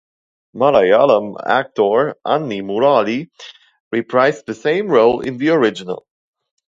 Malayalam actor Anil Murali reprised the same role in the original.